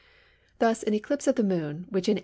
Thus an eclipse of the Moon which in A.